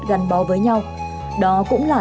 gắn bó với nhau đó cũng là